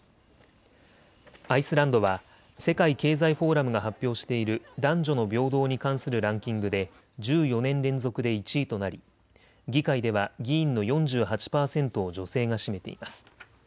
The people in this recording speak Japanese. アイスランドは世界経済フォーラムが発表している男女の平等に関するランキングで１４年連続で１位となり議会では議員の４８％を女性が占めています。